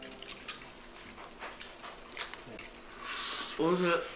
おいしい。